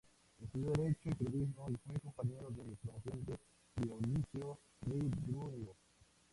Estudió Derecho y Periodismo y fue compañero de promoción de Dionisio Ridruejo.